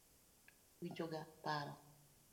Winjo ga paro.